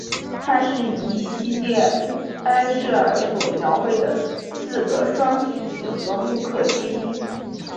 它是一系列埃舍尔所描绘的四个双曲几何木刻之一。